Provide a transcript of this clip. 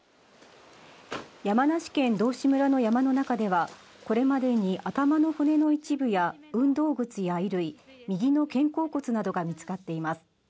山梨県道志村の山の中ではこれまでに頭の骨の一部や運動靴や衣類、右の肩甲骨などが見つかっています。